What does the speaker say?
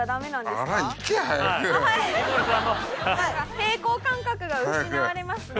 平衡感覚が失われますね。